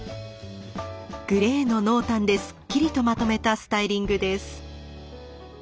グレーの濃淡ですっきりとまとめたスタイリングです。